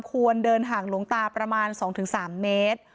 ควรเดินห่างหลวงตาประมาณ๒๓เมตร